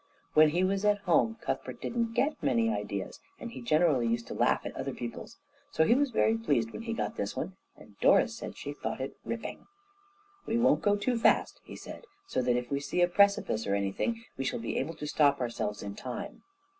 When he was at home Cuthbert didn't get many ideas, and he generally used to laugh at other people's, so he was very pleased when he got this one and Doris said that she thought it ripping. "We won't go too fast," he said, "so that, if we see a precipice or anything, we shall be able to stop ourselves in time."